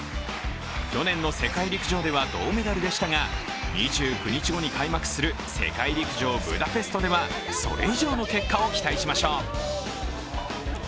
去年の世界陸上では銅メダルでしたが２９日後に開幕する世界陸上ブダペストではそれ以上の結果を期待しましょう。